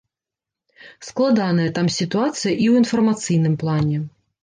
Складаная там сітуацыя і ў інфармацыйным плане.